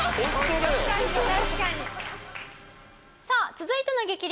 さあ続いての激